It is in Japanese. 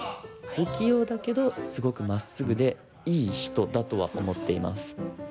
不器用だけどすごくまっすぐでいい人だとは思っています。